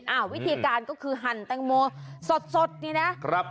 อ้าววิธีการก็คือหั่นตำโมสดสดที่น่ะครับ